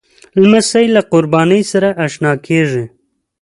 لمسی له قربانۍ سره اشنا کېږي.